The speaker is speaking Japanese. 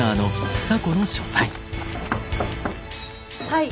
はい。